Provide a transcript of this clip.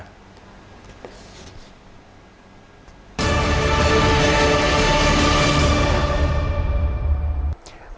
kinh tế phương nam